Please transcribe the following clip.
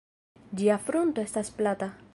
Ĝia frunto estas plata.